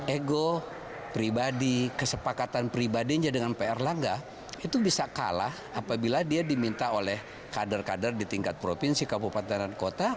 ego pribadi kesepakatan pribadinya dengan pak erlangga itu bisa kalah apabila dia diminta oleh kader kader di tingkat provinsi kabupaten dan kota